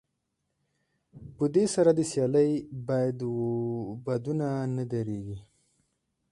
په دې سره د سيالۍ بادونه نه درېږي.